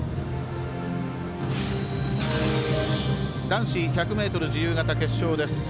男子１００ｍ自由形決勝です。